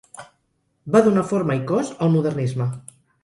Va donar forma i cos al modernisme.